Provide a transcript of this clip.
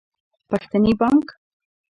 پښتني بانګ